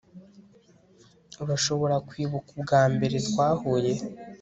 urashobora kwibuka ubwambere twahuye